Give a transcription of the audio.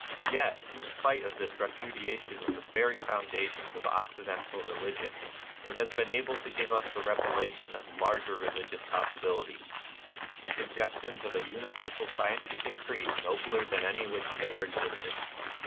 Yet, in spite of this repudiation of the very foundations of Occidental religion, it has been able to give us the revelation of larger religious possibilities, — the suggestions of a universal scientific creed nobler than any which has ever existed.